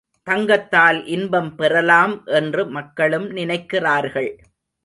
தங்கத்தால் இன்பம் பெறலாம் என்று மக்களும் நினைக்கிறார்கள்.